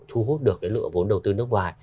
thu hút được cái lượng vốn đầu tư nước ngoài